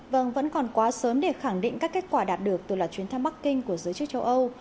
vâng vẫn còn quá sớm để khẳng định các kết quả đạt được từ là chuyến thăm bắc kinh của giới chức châu âu